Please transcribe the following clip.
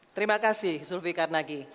terima kasih zulfi karnagi